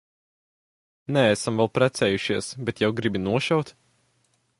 Neesam vēl precējušies, bet jau gribi nošaut?